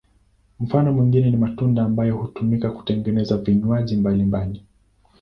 Mfano mwingine ni matunda ambayo hutumika kutengeneza vinywaji mbalimbali.